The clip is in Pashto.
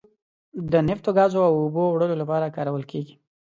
د نفتو، ګازو او اوبو وړلو لپاره کارول کیږي.